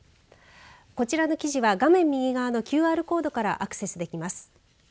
こちらの記事は画面右側のＱＲコードからアクセスできます。